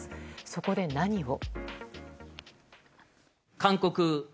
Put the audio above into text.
そこで何を。